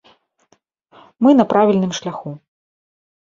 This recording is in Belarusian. Мы на правільным шляху.